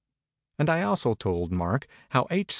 And I also told Mark how H.